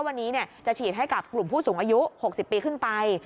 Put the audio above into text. วันนี้จะฉีดให้กับกลุ่มผู้สูงอายุ๖๐ปีขึ้นไป